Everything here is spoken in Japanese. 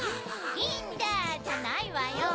「いいんだ！」じゃないわよ。